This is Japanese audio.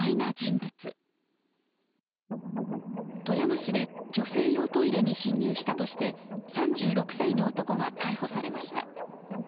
富山市で女性用トイレに侵入したとして３６歳の男が逮捕されました。